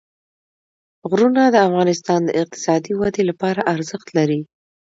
غرونه د افغانستان د اقتصادي ودې لپاره ارزښت لري.